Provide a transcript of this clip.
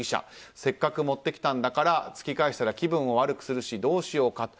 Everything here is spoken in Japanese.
せっかく持ってきたんだから突き返したら気分を悪くするしどうしようかと。